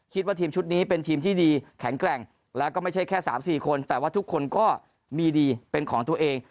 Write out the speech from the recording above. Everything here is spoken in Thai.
คิดว่าทีมชุดนี้เป็นทีมที่ดีแข็งแกร่งแล้วก็ไม่ใช่แค่๓๔คนแต่ว่าทุกคนก็มีดีเป็นของตัวเอง